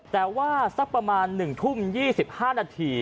แต่ว่าสักประมาณ๑ทุ่ม๒๕นาที